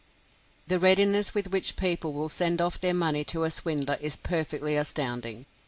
The readiness with which people will send off their money to a swindler is perfectly astounding.